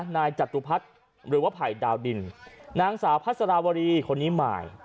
นายจตุพัฒน์หรือว่าไผ่ดาวดินนางสาวพัสราวรีคนนี้หมาย